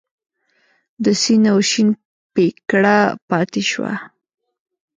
د سین او شین پیکړه پاتې شوه.